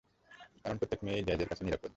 কারণ প্রত্যেক মেয়েই জ্যাজ কাছে নিরাপদ।